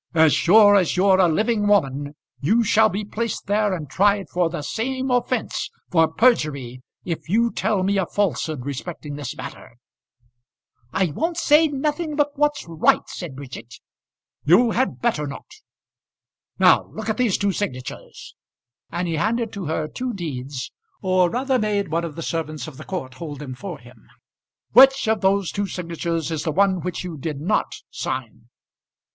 "As sure as you're a living woman, you shall be placed there and tried for the same offence, for perjury, if you tell me a falsehood respecting this matter." "I won't say nothing but what's right," said Bridget. "You had better not. Now look at these two signatures;" and he handed to her two deeds, or rather made one of the servants of the court hold them for him; "which of those signatures is the one which you did not sign?"